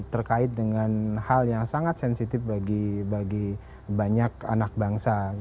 terkait dengan hal yang sangat sensitif bagi banyak anak bangsa